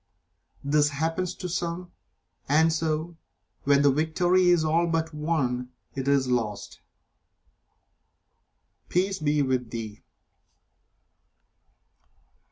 This happens to some, and so, when the victory is all but won, it is lost." Peace be with thee.